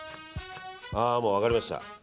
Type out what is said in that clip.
もう分かりました。